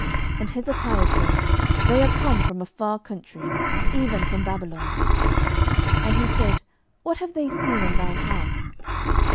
And Hezekiah said, They are come from a far country, even from Babylon. 12:020:015 And he said, What have they seen in thine house?